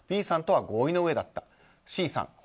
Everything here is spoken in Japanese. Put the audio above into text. Ｂさんとは合意のうえだったＣさん